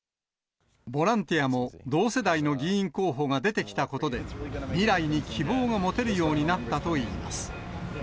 ボランティアも、同世代の議員候補が出てきたことで、未来に希望が持てるようになったといいます。